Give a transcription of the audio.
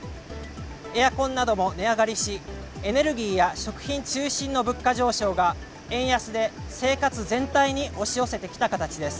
エアコンなども値上がりし、エネルギーや食品中心の物価上昇が円安で生活全体に押し寄せてきた形です。